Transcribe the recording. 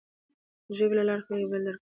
د ژبې له لارې خلک یو بل درک کوي.